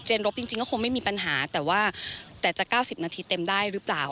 รบจริงก็คงไม่มีปัญหาแต่ว่าแต่จะ๙๐นาทีเต็มได้หรือเปล่า